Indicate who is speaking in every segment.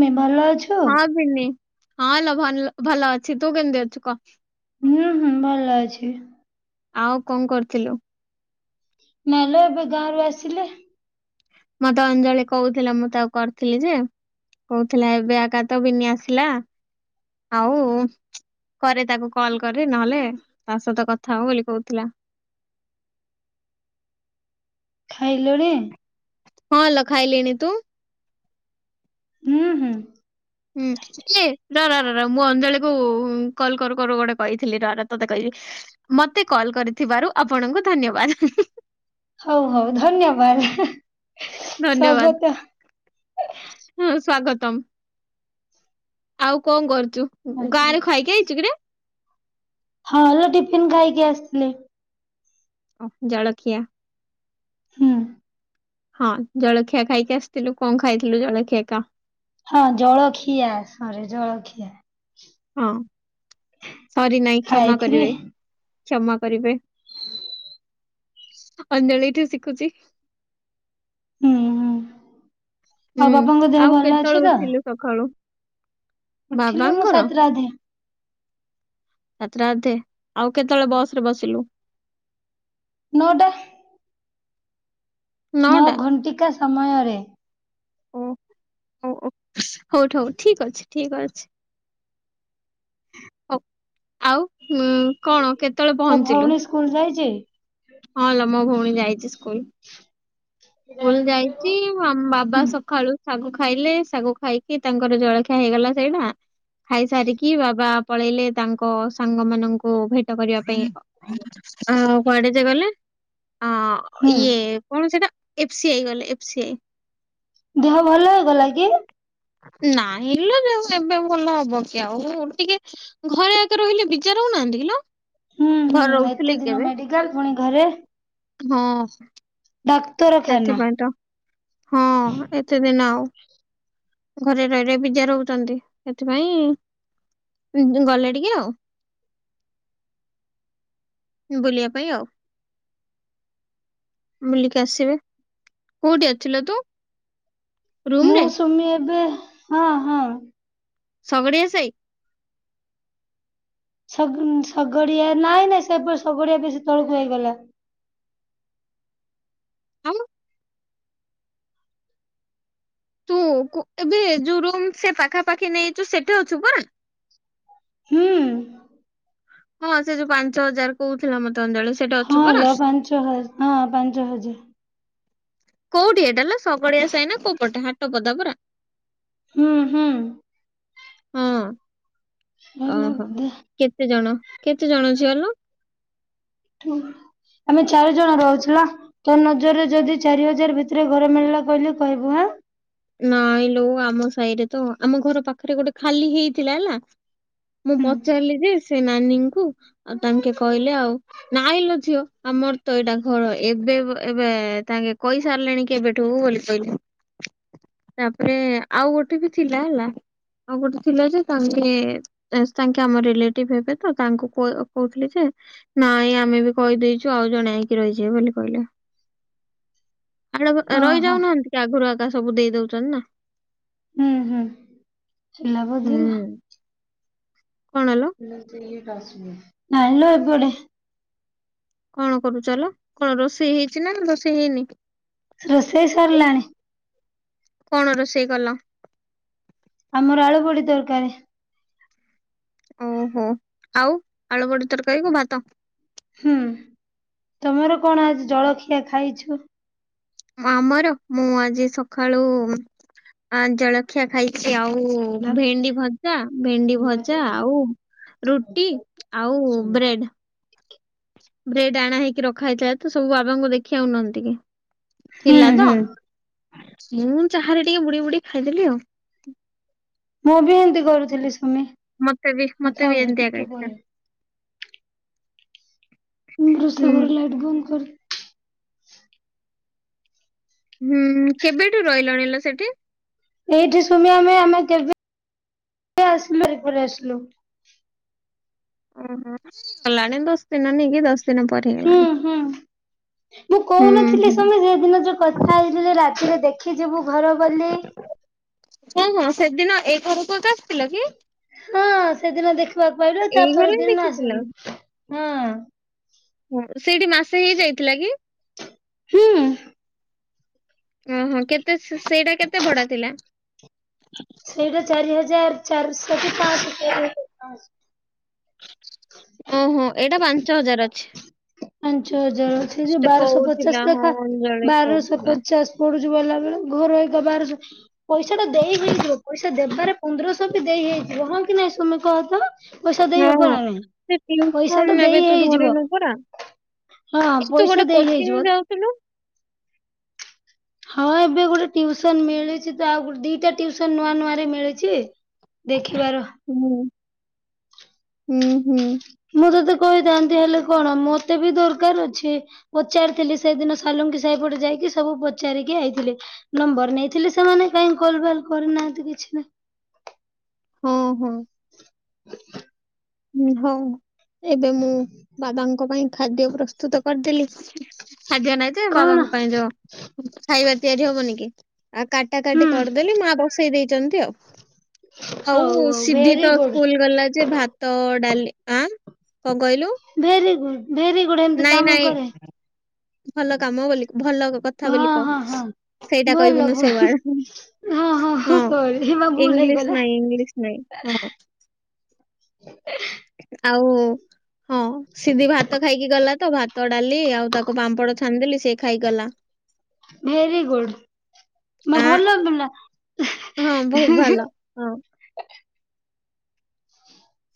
Speaker 1: ମେ ଭଲ ଅଛ୍
Speaker 2: ହଁ ପିନି ହଁ ଲ ଭଲ୍ ଭଲ ଅଛି ତୁ କେମତି ଅଛୁ କ।
Speaker 1: ମୁଁ ହୁଁ ଭଲ ଅଛି।
Speaker 2: ଆଉ କଁ କରିଥିଲୁ?
Speaker 1: ନଲେ ଏବେ ଗାଁରୁ ଆସିଲି।
Speaker 2: ମତେ ଅଞ୍ଜଳି କହୁଥିଲା ମୁଁ ତାକୁ କରିଥିଲି ଯେ। କହୁଥିଲା ଏବେ ଆକା ତ ବିନି ଆସିଲା ଆଉ କରେ ତାକୁ କଲ୍ କରେ ନହେଲେ ତା ସହିତ କଥା ହବ ବୋଲି କହୁଥୁଲା।
Speaker 1: ଖାଇଲୁଣି?
Speaker 2: ହଁ ଲ ଖାଇଲିଣି, ତୁ?
Speaker 1: ମୁଁ ହୁଁ।
Speaker 2: ହୁଁ। ର ର ର ର ମୁଁ ଅଞ୍ଜଳିକୁ କଲ୍ କରୁ କରୁ ଗୋଟେ କହିଥିଲି ର ର ତତେ କଇବି। ମତେ କଲ୍ କରିଥିବାରୁ ଆପଣଙ୍କୁ ଧନ୍ୟବାଦ।
Speaker 1: ହଉ ହଉ ଧନ୍ୟବାଦ ସ୍ଵାଗତ।
Speaker 2: ହଁ ସ୍ଵାଗତମ୍। ଆଉ କଣ କରୁଚୁ ଗାଁରୁ ଖାଇକି ଆଇଚୁ କିରେ?
Speaker 1: ହଁ ଲୋ ଟିଫିିନ ଖାଇକି ଆସଥିଲି।
Speaker 2: ଓ ଜଳଖିଆ।
Speaker 1: ହୁଁ।
Speaker 2: ହଁ ଜଳଖିଆ ଖାଇକି ଆସିଥିଲୁ କଁ ଖାଇଥିଲୁ ଜଳଖିଆ କ।
Speaker 1: ହଁ ଜଳଖିଆ ସରେ ଜଳଖିଆ।
Speaker 2: ହଁ ସରି ନାଇଁ କ୍ଷମା
Speaker 1: ଖାଇଥିଲି।
Speaker 2: କରିବେ
Speaker 1: ହୁଁ
Speaker 2: କ୍ଷମା କରିବେ। ଅଞ୍ଜଳି ଏଇଠୁ ଶିଖୁଚି।
Speaker 1: ହୁଁ ହୁଁ ଆଉ ବାପାଙ୍କ ଦେହ ଭଲ ଅଛି ତ?
Speaker 2: ସଖାଳୁ
Speaker 1: ଉଠିଲି ମୁଁ ସାତଟା ଅଧେ।
Speaker 2: ସାତ ଟା ଅଧେ ଆଉ କେତେବେଳେ ବସ ରେ ବସିଲୁ।
Speaker 1: ନ ଟା। ନଅ
Speaker 2: ନଅଟା
Speaker 1: ଘଣ୍ଟିକା ସମୟରେ।
Speaker 2: ଓ ଓ ହଉଠ ହଉ ଠିକ ଅଛି ଠିକ ଅଛି। ଆଉ କଣ କେତେବେଳେ
Speaker 1: ତୋ
Speaker 2: ପହଞ୍ଚିଲୁ?
Speaker 1: ଭଉଣୀ ସ୍କୁଲ ଯାଇଛି।
Speaker 2: ହଁ ଲୋ ମୋ ଭଉଣୀ ଯାଇଛି ସ୍କୁଲ।
Speaker 1: [inaudible]
Speaker 2: ସ୍କୁଲ ଯାଇଛି ଆମ ବାବା
Speaker 1: ହୁଁ
Speaker 2: ସକାଳୁ ଶାଗୁ ଖାଇଲେ ଶାଗୁ ଖାଇକି ତାଙ୍କର ଜଳଖିଆ ହେଇଗଲା ସେଇଟା ଖାଇସାରିକି ବାବା ପଳେଇଲେ ତାଙ୍କ ସାଙ୍ଗ ମାନଙ୍କୁ ଭେଟ କରିବା ପାଇଁ ଆ କୁଆଡେ ଯେ ଗଲେ ଅଁ
Speaker 1: ହୁଁ।
Speaker 2: ଇଏ କଣ ସେଇଟା ଏଫ ସ ଆଇ ଗଲେ ଏଫ ସ ଆଇ।
Speaker 1: ଦେହ ଭଲ ହେଇଗଲା କି।
Speaker 2: ନାଇଁ ଲୋ ଏବେ ଭଲ ହବ କି ଆଉ ଟିକେ ଘରେ ଆକା ରହିଲେ ବିଜାର ରହୁନାହାନ୍ତି କିିଲୋ।
Speaker 1: ହୁଁ ହୁଁ ଏତେ ଦିନ ମେଡିକାଲ ପୁଣି ଘରେ।
Speaker 2: ହଁ
Speaker 1: ଡାକ୍ତରଖାନା।
Speaker 2: ସେଥିପାଇଁ ତ ହଁ ଏତେ ଦିନ ଆଉ ଘରେ ରହି ରହି ବିଜା ରହୁଛନ୍ତି ସେଥିପାଇଁ ଗଲେ ଟିକେ ଆଉ। ବୁଲିବା ପାଇଁ ଆଉ। ବୁଲିକି ଆସିବେ କୋଉଠି ଅଛୁ ଲୋ ତୁ? ରୁମ
Speaker 1: ମୁଁ
Speaker 2: ରେ
Speaker 1: ସୁମି ଏବେ ହଁ ହଁ।
Speaker 2: ସଗଡି ଆ ସାଇ।
Speaker 1: ଶଗଡିଆ ନାଇଁ ନାଇଁ ସେପଟ ଶଗଡିଆ ବେଶ ତଳକୁ ହେଇଗଲା।
Speaker 2: ଆଁ ତୁ ଏବେ ଯୋଉ ରୁମ୍ ସେ ପାଖାପାଖି ନେଇଛୁ ସେଠି ଅଛୁ ପରା।
Speaker 1: ହୁଁ।
Speaker 2: ହଁ ସେ ଯୋଉ ପାଞ୍ଚ ହଜାର କହୁଉଥିଲା ମତେ ଅଞଳ
Speaker 1: ହଁ ଲ ପାଞ୍ଚ ହ ହଁ ପାଞ୍ଚ ହଜାର।
Speaker 2: କୋଉଠି ଏଟାଲୋ ସଗଡିଆ ସାଇନା କୋଉ ପଟେ ହାଟ ପଦା ପରା।
Speaker 1: ହୁଁ ହୁଁ।
Speaker 2: ହଁ ଓ
Speaker 1: ହେଲା
Speaker 2: ହୋ।
Speaker 1: ବୋଧେ
Speaker 2: କେତେ ଜଣ କେତେ ଜଣ ଝିଅ ଲ?
Speaker 1: ଆମେ ଚାରି ଜଣ ରହୁଚୁ ଲୋ। ତୋ ନଜରରେ ଯଦି ଚାରି ହଜାର ଭିତରେ ଘର ମିଳିଲା କହିଲେ କହିବୁ ହାଁ।
Speaker 2: ନାଇଁ ଲୋ ଆମ ସାଇ ରେ ତ ଆମ ଘର ପାଖରେ ଗୋଟେ ଖାଲି ହେଇଥିଲା ହେଲା। ମୁଁ
Speaker 1: ହୁଁ।
Speaker 2: ପଚାରିଲି ଯେ ସେ ନାନୀଙ୍କୁ ଆଉ ତାଙ୍କେ କହିଲେ ଆଉ ନାଇଁ ଲ ଝିଅ ଆମର ତ ଏଇଟା ଘର ଏବେ ଏବେ ତାଙ୍କେ କଇସାରିଲେଣି କେବେ ଟୁ ବୋଲି କହିଲି। ତାପରେ ଆଉ ଗୋଟେ ବି ଥିଲା ହେଲା ଆଉ ଗୋଟେ ଥିଲା ଯେ ତାଙ୍କେ ତାଙ୍କେ ଆମ ରିଲେଟିଭ ହେବେ ତ ତାଙ୍କୁ କହୁଥିଲି ଯେ ନାଇଁ ଆମେ ବି କହିଦେଇଛୁ ଆଉ ଜଣେ ଆଇକି ରହିଯିବେ ବୋଲି କହିଲେ।
Speaker 1: [inaudible]
Speaker 2: ଆଡ
Speaker 1: ଓହୋ
Speaker 2: ରହିଯାଉନାହାନ୍ତି କି ଆଗରୁ ଆଗା ସବୁ ଦେଇ ଦଉଛନ୍ତି ନା।
Speaker 1: ହୁଁ ହୁଁ ହେଲା
Speaker 2: ହୁଁ
Speaker 1: ବୋଧେ
Speaker 2: କଣ ଲୋ।
Speaker 1: ନାଇଲୋ ଏପଟେ।
Speaker 2: କଣ କରୁଚ ଲୋ କଣ ରୋଷେଇ ହେଇଛି ନା ରୋଷେଇ ହେଇନି?
Speaker 1: ରୋଷେଇ ସରିଲାଣି।
Speaker 2: କଣ ରୋଷେଇ କଲ?
Speaker 1: ଆମର ଆଳୁ ବଡି ତରକାରୀ।
Speaker 2: ଓହୋ ଆଉ ଆଳୁ ବଡି ତରକାରୀ କୁ ଭାତ।
Speaker 1: ହୁଁ ତମର କଣ ଆଜି ଜଳଖିଆ ଖାଇଛୁ?
Speaker 2: ମ ଆମର ମୁଁ ଆଜି ସକାଳୁ ଜଳଖିଆ ଖାଇଛି ଆଉ ଭେଣ୍ଡି ଭଜା ଭେଣ୍ଡି ଭଜା ଆଉ ରୁଟି
Speaker 1: ହୁଁ
Speaker 2: ଆଉ ବ୍ରେଡ। ବ୍ରେଡ ଆଣା ହେଇକି ରଖା ହେଇଥିଲା ତ ସବୁ ବାବା ଙ୍କୁ ଦେଖିବାକୁ ଆଉନାହାନ୍ତି ଟିକେ ଥିଲା ତ
Speaker 1: ହୁଁ
Speaker 2: ମୁଁ ଚାହାରେ ଟିକେ ବୁଡେଇ ବୁଡେଇ ଖାଇଦେଲି ଆଉ।
Speaker 1: ମୁଁ ବି ହେମିତି କରୁଥିଲି ସୁମି
Speaker 2: ମତେ ବି ମତେ
Speaker 1: କଥା
Speaker 2: ବି
Speaker 1: ହବ
Speaker 2: ଏମିତିଆ
Speaker 1: ଟିକେ
Speaker 2: ଇଚ୍ଛା।
Speaker 1: ପରେ। ମୁଁ
Speaker 2: ହୁଁ
Speaker 1: ରୁଷେଇ ଘର ଲାଇଟ୍ ବନ୍ଦ କରେ।
Speaker 2: ହୁଁ କେବେଠୁ ରହିଲଣିିଲୋ ସେଠି?
Speaker 1: ଏଇଠି ସୁମି ଆମେ ଆମେ କେବେ [inaudible] ଆସିଲୁ ଏଇପରେ ଆସିଲୁ।
Speaker 2: ଉଁ ହୁଁ କଲାଣି ଦସ୍ତ ଦିନ ନେଇକି ଦସ୍ତ [unintelligible]
Speaker 1: ହୁଁ ହୁଁ ମୁଁ
Speaker 2: ହୁଁ
Speaker 1: କହୁନଥିଲି
Speaker 2: ହୁଁ।
Speaker 1: ସୁମି ସେଦିନ ଯୋଉ କଥା ହେଇଥିଲେ ରାତିରେ ଦେଖିଯିବୁ ଘର ବୋଲି
Speaker 2: ହଁ ହଁ ସେଦିନ ଏଇ ଘରକୁ ଆସିଥିଲ କି?
Speaker 1: ହଁ ସେଦିନ ଦେଖିବାକୁ ପରେ ତା
Speaker 2: ଏଇ
Speaker 1: ପର
Speaker 2: ଘରେ ହିଁ
Speaker 1: ଦିନ
Speaker 2: ଦେଖିଥିଲ।
Speaker 1: ଆସିଲୁ ହଁ।
Speaker 2: ହ ସେଇଠି ମାସେ ହେଇ ଯାଇଥିଲା କି?
Speaker 1: ହୁଁ
Speaker 2: ଉଁ ହୁଁ କେତେ ସେଇଟା କେତେ ଭଡା ଥିଲା?
Speaker 1: ସେଇଟା ଚାରି ହଜାର ଚାରିଶ କି ପାଆଁସ [inaudible]
Speaker 2: ଓହୋ ଏଇଟା ପାଞ୍ଚ ହଜାର ଅଛି।
Speaker 1: ପାଞ୍ଚ ହଜାର ଅଛି ଯୋଉ
Speaker 2: ମତେ
Speaker 1: ବାରଶହ
Speaker 2: କହୁଥିଲା
Speaker 1: ପଚାଶ
Speaker 2: ହଁ
Speaker 1: ଲେଖା
Speaker 2: ଅଞ୍ଜଳି
Speaker 1: ବାରଶହ
Speaker 2: କହୁଥିଲା।
Speaker 1: ପଚାଶ ପଡୁଛି ଗଲାବେଳେ ବେଳେ ଘର ଏବିକା ବରସହ ପଇସା ଟା ଦେଇ ହେଇଯିବ ପଇସା ଦେବାରେ ପନ୍ଦରଶହ ବି ଦେଇ ହେଇଯିବ ହଁ କି ନାଇଁ ସୁମି କହ ତ? ପଇସା ଦେଇ
Speaker 2: ହଁ
Speaker 1: ହବ ନା ନାଇ?
Speaker 2: ସେ ପ୍ରିନ୍ସପୁଲ ନେବେ ତୁ ଧରିନୁ ପରା
Speaker 1: ହଁ
Speaker 2: କିନ୍ତୁ
Speaker 1: ପଇସା
Speaker 2: ଗୋଟେ
Speaker 1: ଦେଇ
Speaker 2: କୋଚିଂ
Speaker 1: ହେଇଯିବ।
Speaker 2: ର [inaudible]
Speaker 1: ହଁ ଏବେ ଗୋଟେ ଟିଉସନ ମିଳିଛି ତ ଆଉ ଗୋଟେ ଦିଟା ଟିଉସନ ନୂଆ ନୂଆ ରେ ମିଳିଛି ଦେଖିବା ରହ।
Speaker 2: ହୁଁ ହୁଁ ହୁଁ
Speaker 1: ମୁଁ ତତେ କହିଥାନ୍ତି ହେଲେ କଣ ମତେ ବି ଦରକାର ଅଛି। ପଚାରିଥିଲି ସେଇଦିନ ସାଲୁଙ୍କି ସେହିପଟେ ଯାଇକି ସବୁ ପଚାରିକି ଆଇଥିଲି। ନମ୍ବର ନେଇଥିଲି ସେମାନେ କାହିଁ କଲ ବାଲ କରିନାହାନ୍ତି କିଛି ନାହିଁ।
Speaker 2: ହୋ ହୋ ହଉ ଏବେ ମୁଁ ବାବାଙ୍କ ପାଇଁ ଖାଦ୍ୟ ପ୍ରସ୍ତୁତ କରିଦେଲି। ଖାଦ୍ୟ ନାଇଁ ତ
Speaker 1: କଣ
Speaker 2: ବାବାଙ୍କ ପାଇଁ ଯୋଉ ଖାଇବା ତିଆରି ହବନି କି ଆଉ କାଟା
Speaker 1: ହୁଁ
Speaker 2: କାଟି କରିଦେଲି ମା ବସେଇ ଦେଇଛନ୍ତି ଆଉ। ଆଉ
Speaker 1: ହଉ ହଉ ଭେରି
Speaker 2: ସିଧିତ
Speaker 1: ଗୁଡ୍।
Speaker 2: ସ୍କୁଲ ଗଲା ଯେ ଭା ତ, ଡାଲି ଆ କଣ କହିଲୁ?
Speaker 1: ଭେରି ଗୁଡ଼୍ ଭେରି ଗୁ
Speaker 2: ନାଇଁ ନାଇଁ ଭଲ କାମ ବୋଲି ଭଲ କଥା
Speaker 1: ହଁ
Speaker 2: ବୋଲି କହ।
Speaker 1: ହଁ ହଁ।
Speaker 2: ସେଇଟା
Speaker 1: ଭଲ
Speaker 2: କହିବୁନୁ ସେ
Speaker 1: ଭଲ ହଁ
Speaker 2: ୱାର୍ଡ ହଁ
Speaker 1: ସରି ମା ଭୁଲ ହେଇଗଲା।
Speaker 2: ଇଂଲିଶ ନାଇଁ ଇଂଲିଶ ନାଇଁ। ହଁ ଆଉ ହଁ ସିଧି ଭାତ ଖାଇକି ଗଲା ତ ଭାତ ଭାତଡ଼ାଲି ଆଉ ତାକୁ ପାମ୍ପଡ଼ ଛାନିଦେଲି ସେ ଖାଇଗଲା।
Speaker 1: ଭେରିଗୁଡ ମା
Speaker 2: ଆ
Speaker 1: ଭଲ ପିଲା।
Speaker 2: ହଁ ବହୁ
Speaker 1: ହୁଁ
Speaker 2: ଭଲ ହଁ।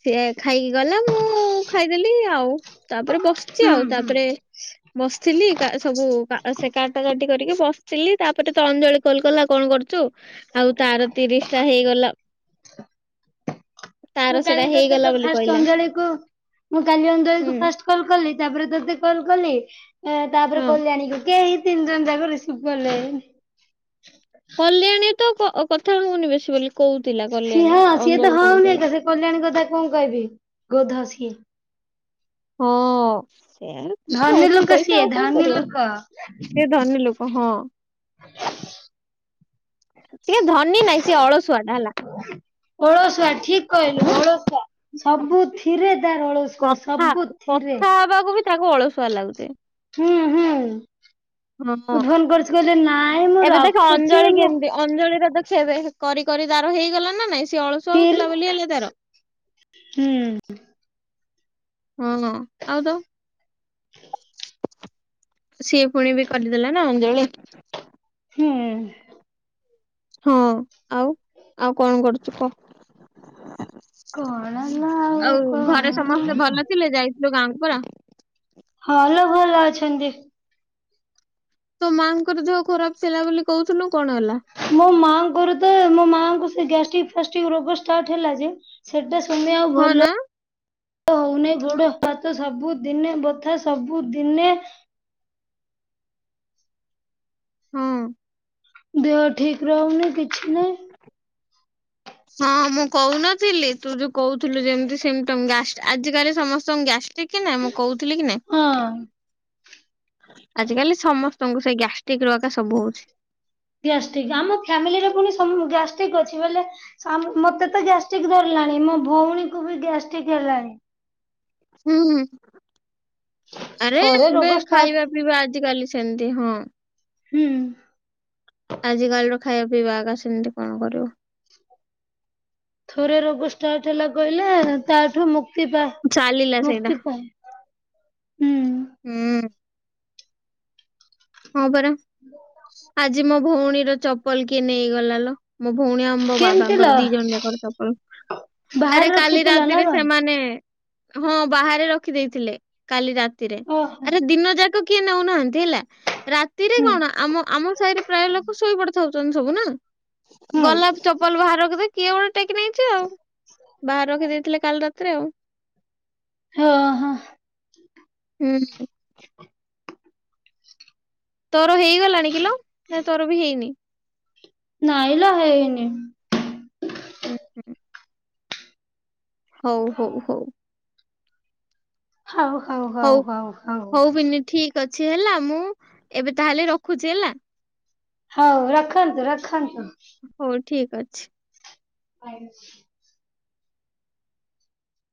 Speaker 2: ସିଏ ଖାଇକି ଗଲା ମୁଁ ଖାଇଦେଲି ଆଉ ତାପରେ ବସିଛି ଆଉ ତାପରେ
Speaker 1: ହ [unintelligible]
Speaker 2: ବସିଥିଲି କା ସବୁ କା ସେ କାଟା କାଟି କରିକି ବସିଥିଲି ତାପରେ ତ ଅଞ୍ଜଳି କଲ କଲା କଣ କରୁଚୁ। ଆଉ ତାର ତିରିଶ ଟା ହେଇଗଲ।
Speaker 1: ମୁଁ
Speaker 2: ତାର ସେଟା
Speaker 1: କାଲି ତତେ
Speaker 2: ହେଇଗଲା
Speaker 1: କ
Speaker 2: ବୋଲି
Speaker 1: ଫାଷ୍ଟ
Speaker 2: କହିଲା
Speaker 1: ଅଞ୍ଜଳିକୁ ମୁଁ କାଲି
Speaker 2: ହୁଁ
Speaker 1: ଅଞ୍ଜଳିକୁ ଫାଷ୍ଟେ କଲ କଲି ତାପରେ ତତେ କଲ୍ କଲି ତାପରେ
Speaker 2: ହଁ
Speaker 1: କଲି ଆଣିକି। ଏଇ ତିନିଜଣ ଯାକ ରିସିଭ କଲେନି।
Speaker 2: କଲ୍ୟାଣୀ ତ କ କଥା ହଉନି ବେଶୀ ବୋଲି କହୁଥିଲା
Speaker 1: ସିଏ
Speaker 2: କଲ୍ୟାଣୀ
Speaker 1: ହଁ ସିଏ ତ
Speaker 2: ଅଞ୍ଜଳୀ
Speaker 1: ହଉନି ଏକା
Speaker 2: କହୁଥିଲା।
Speaker 1: ସେ କଲ୍ୟାଣୀ କଥା କଣ କହିବି ଗୋଧ ସିଏ।
Speaker 2: ହଁ ସେ
Speaker 1: ଧନୀ
Speaker 2: ଅଛି
Speaker 1: ଲୋକ
Speaker 2: ପଇସା
Speaker 1: ସିଏ
Speaker 2: ଆଉ କଣ
Speaker 1: ଧନୀ
Speaker 2: କରିବ।
Speaker 1: ଲୋକ
Speaker 2: ସେ ଧନୀ ଲୋକ ହଁ।
Speaker 1: [inaudible]
Speaker 2: ସିଏ ଧନୀ ନାଇଁ ସିଏ ଅଳସୁଆ ଟା ହେଲା।
Speaker 1: ଓଳସୁଆ ଠିକ କହିଲୁ ଓଳସୁଆ। ସବୁଥିରେ ତାର ଅଳସୁଆ
Speaker 2: କଥା
Speaker 1: ସବୁଥିରେ।
Speaker 2: କଥା ହବାକୁ ବି ତାକୁ ଅଳସୁଆ ଲାଗୁଚି।
Speaker 1: ହୁଁ ହୁଁ ମୁ
Speaker 2: ହଁ।
Speaker 1: ଫୋନ କରୁଛି ବୋଲି ନାଇଁ ମୁଁ
Speaker 2: ଏବେ ଦେଖେ
Speaker 1: ରଖୁଛି
Speaker 2: ଅଞ୍ଜଳି
Speaker 1: ମୁଁ
Speaker 2: କେମିତି ଅଞ୍ଜଳିର ଛେ ଦେଖେ କରି କରି ତାର ହେଇଗଲା ନା ନାଇଁ ସି ଅଳସୁ
Speaker 1: ତିଲ୍
Speaker 2: ହଉଥିଲା ବୋଲି ହେଲା ତାର।
Speaker 1: ହୁଁ।
Speaker 2: ହଁ ହଁ ଆଉ ତାଉ। ସିଏ ପୁଣି ବି କରିଦେଲା ନା ଅଞ୍ଜଳି।
Speaker 1: ହୁଁ।
Speaker 2: ହଁ ଆଉ ଆଉ କଣ କରୁଛୁ କହ।
Speaker 1: କଣ ନା
Speaker 2: ଆଉ ଘରେ
Speaker 1: କଣ
Speaker 2: ସମସ୍ତେ ଭଲ ଥିଲେ ଯାଇଥିଲୁ ଗାଁକୁ ପରା।
Speaker 1: ହଲୋ ଭଲ ଅଛନ୍ତି।
Speaker 2: ତୋ ମାଆଙ୍କର ଦେହ ଖରାପ ଥିଲା ବୋଲି କହୁଥିଲୁ କଣ ହେଲା।
Speaker 1: ମୋ ମାଆ ଙ୍କର ତ ମୋ ମାଆଙ୍କୁ ସେ ଗ୍ୟାଷ୍ଟିକ ଫାଷ୍ଟିକ ରୋଗ ଷ୍ଟାର୍ଟ ହେଲା ଯେ ସେଇଟା ସୁନି ଆଉ
Speaker 2: ହଁ
Speaker 1: ଭଲ।
Speaker 2: ନା
Speaker 1: ହଉନି ଗୋଡ ହାତ ସବୁଦିନେ ବଥା ସବୁ ଦିନେ।
Speaker 2: ହଁ।
Speaker 1: ଦେହ ଠିକ ରହୁନି କିଛି ନାହିଁ।
Speaker 2: ହଁ ମୁଁ କହୁନଥିଲି ତୁ ଯୋଉ କହୁଥୁଲୁ ଯେମିତି ସିମଟମ ଗ୍ୟାଷ୍ଟ ଆଜିକାଲି ସମସ୍ତଙ୍କ ଗ୍ୟାଷ୍ଟ ଟିକି ନାଇଁ ମୁଁ କହୁଥିଲି କି ନାଇଁ।
Speaker 1: ହଁ।
Speaker 2: ଆଜ କାଲି ସମସ୍ତଙ୍କୁ ସେଇ ଗ୍ୟାଷ୍ଟିକ ରଟା ସବୁ ହଉଛି।
Speaker 1: ଗ୍ୟାଷ୍ଟିକ ଆମ ଫ୍ୟାମିଲିରେ ପୁଣି ସମ ଗ୍ୟାଷ୍ଟ୍ରିକ୍ ଅଛି ବୋଲେ ସମ ମତେ ତ ଗ୍ୟାଷ୍ଟିକ ଧରିଲାଣି ମୋ ଭଉଣୀକୁ ବି ଗ୍ୟାଷ୍ଟିକ ହେଲାଣି।
Speaker 2: ହୁଁ। ଆରେ
Speaker 1: ଥରେ
Speaker 2: ଏବେ
Speaker 1: ରୋଗ ଷ୍ଟାର୍ଟ
Speaker 2: ଖାଇବା ପିଇବା ଆଜିକାଲି ସେମିତି ହଁ।
Speaker 1: ହୁଁ।
Speaker 2: ଆଜିକାଲି ର ଖାଇବା ପିଇବା ଆଗ ସେମିତି କଣ କରିବୁ।
Speaker 1: ଥରେ ରୋଗ ଷ୍ଟାର୍ଟ ହେଲା କହିଲେ ତାଠୁ ମୁ
Speaker 2: ଚାଲିଲା ସେଇଟା ହୁଁ। ହଁ ପରା ଆଜି ମୋ ଭଉଣୀର ଚପଲ କିଏ ନେଇଗଲା ଲ ମୋ ଭଉଣୀ ଆମ ମୋ
Speaker 1: କେମିତିଲ
Speaker 2: ବାବାଙ୍କର ଦି ଜଣ ଯାକର ଚପଲ ଆରେ
Speaker 1: ବାହାରେ
Speaker 2: କାଲି
Speaker 1: ରଖିଥିଲ ନା
Speaker 2: ରାତିରେ
Speaker 1: କଣ
Speaker 2: ସେମାନେ ହଁ ବାହାରେ ରଖିଦେଇଥିଲେ କାଲି ରାତିରେ
Speaker 1: ଓହୋ
Speaker 2: ଆରେ ଦିନ ଯାକ କିଏ ନୋଉ ନାହାନ୍ତି ହେଲା ରାତି କି
Speaker 1: ହୁଁ।
Speaker 2: ଆମ ଆମ ସାହିରେ ପ୍ରାୟେ ଲୋକୋ ସେଇ ପଟେ ଥାଉ ଛନ୍ତି ସବୁ ନା
Speaker 1: ହୁଁ
Speaker 2: ଗଲାବେଳେ ତ ଚପଲ ବାହାରକୁ ବି କିଏ ଗୋଟେ ଟେକି ନେଇଛି ଆଉ ବାହାରେ ରଖି ଦେଇଥିଲା କାଲି ରାତିରେ ଆଉ।
Speaker 1: ହଁ ହଁ।
Speaker 2: ହୁଁ। ତୋର ହେଇଗଲାଣି କିଲୋ ନା ତୋର ବି ହେଇନି?
Speaker 1: ନାଇଁ ଲୋ ହେଇନି।
Speaker 2: ଏ ହୁଁ। ହଉ ହଉ ହଉ।
Speaker 1: ହଉ ହଉ।
Speaker 2: ହଉ ହଉ ବିନି ଠିକ୍ ଅଛି ହେଲା ମୁଁ ଏବେ ତାହେଲେ ରଖୁଛି ହେଲା?
Speaker 1: ହଉ ରଖନ୍ତୁ ରଖନ୍ତୁ।
Speaker 2: ହୋଉ ଠିକ୍ ଅଛି।
Speaker 1: [unintelligible]